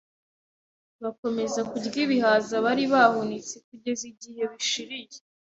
Bakomeza kurya ibihaza bari bahunitse kugeza igihe bishiriye